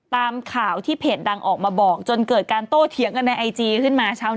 ตามข่าวที่เพจดังออกมาบอกจนเกิดการโต้เถียงกันในไอจีขึ้นมา